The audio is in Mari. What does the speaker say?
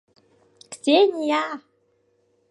— Ксения!..